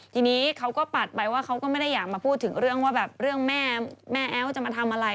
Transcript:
ทีนี้เขาก็ปัดไปว่าเขาก็ไม่ได้อยากมาพูดถึงเรื่องว่าแบบเรื่องแม่แอ๊วจะมาทำอะไร